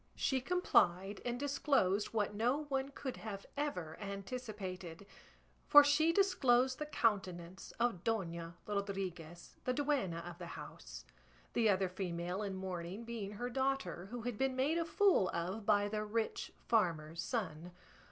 She complied and disclosed what no one could have ever anticipated, for she disclosed the countenance of Dona Rodriguez, the duenna of the house; the other female in mourning being her daughter, who had been made a fool of by the rich farmer's son.